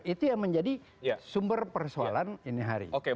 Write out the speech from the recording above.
oke itu yang menjadi sumber persoalan ini hari oke